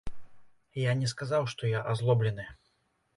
Я не сказаў, што я азлоблены.